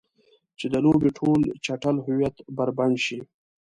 چې د لوبې ټول چټل هویت بربنډ شي.